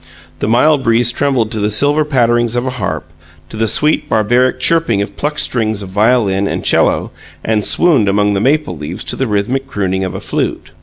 The mild breeze trembled to the silver patterings of a harp, to the sweet, barbaric chirping of plucked strings of violin and 'cello and swooned among the maple leaves to the rhythmic crooning of a flute.